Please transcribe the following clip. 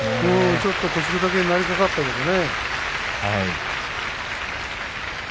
ちょっと腰くだけになりかかったけどね。